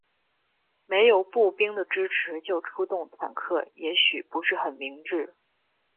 没有步兵的支持就出动坦克也许不是很明智。